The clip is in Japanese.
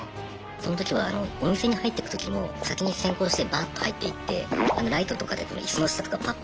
その時はあのお店に入ってく時も先に先行してバッと入っていってライトとかで椅子の下とかパッパ